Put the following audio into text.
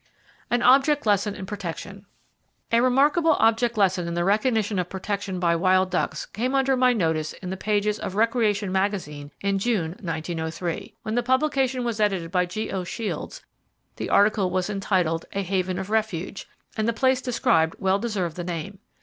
An Object Lesson In Protection. —A remarkable object lesson in the [Page 318] recognition of protection by wild ducks came under my notice in the pages of "Recreation Magazine" in June, 1903, when that publication was edited by G.O. Shields. The article was entitled,—" A Haven of Refuge," and the place described well deserved the name.